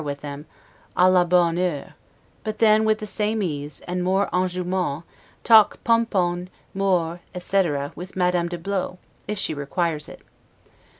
with them, 'a la bonne heure'; but then, with the same ease, and more 'enjouement', talk 'pom pons, moires', etc., with Madame de Blot, if she requires it.